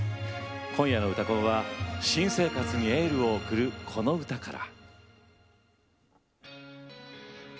今夜の「うたコン」は新生活にエールを送るこの歌から。